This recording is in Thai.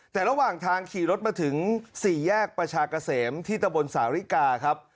แต่ระหว่างทางขี่รถมาถึง๔แยกประชากะเสมที่ตะบนสาวริกาครับ